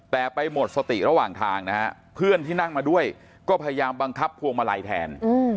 แต่ไปหมดสติระหว่างทางนะฮะเพื่อนที่นั่งมาด้วยก็พยายามบังคับพวงมาลัยแทน